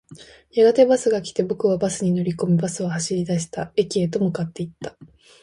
やがてバスが来て、僕はバスに乗り込み、バスは走り出した。駅へと向かっていった。